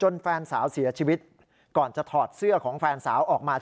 แฟนสาวเสียชีวิตก่อนจะถอดเสื้อของแฟนสาวออกมา